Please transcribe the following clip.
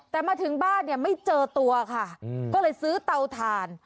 แต่มาถึงบ้านเนี่ยไม่เจอตัวค่ะก็เลยซื้อเตาถ่าน